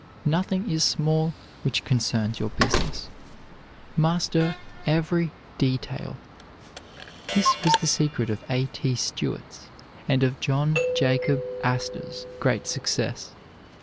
Nothing is small which concerns your business. Master every detail. This was the secret of A. T. Stewart's and of John Jacob Astor's great success.